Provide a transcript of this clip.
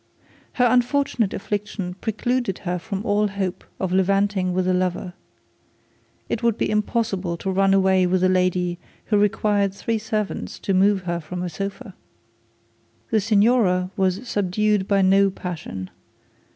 Her unfortunate affliction precluded her from all hope of levanting with a lover. It would be impossible to run away with a lady who required three servants to move her from a sofa. The signora was subdued by no passion.